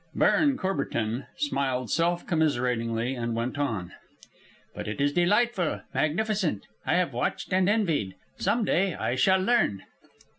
Baron Courbertin smiled self commiseratingly and went on. "But it is delightful, magnificent. I have watched and envied. Some day I shall learn."